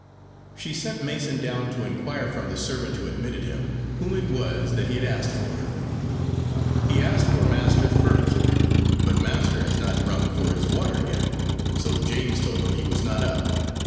She sent Mason down to inquire from the servant who admitted him whom it was that he had asked for. "He asked for master first. But master has not rung for his water yet, so James told him he was not up.